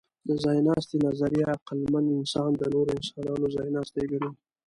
د ځایناستي نظریه عقلمن انسان د نورو انسانانو ځایناستی ګڼي.